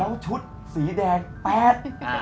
แล้วชุดสีแดงแป๊ด